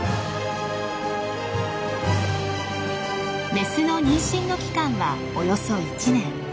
メスの妊娠の期間はおよそ１年。